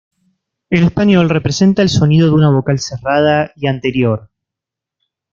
En español representa el sonido de una vocal cerrada y anterior.